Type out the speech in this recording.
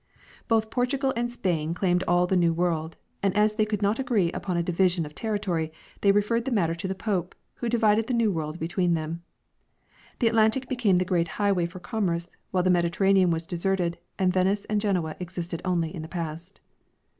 Both Portugal and Spain claimed all the new world, and as they could . not agree upon a division of territory they referred the matter to the pope, who divided the new world between them. The Atlantic became the great highway for commerce, Avhile the Mediterranean was deserted, and Venice and Genoa existed only in the past.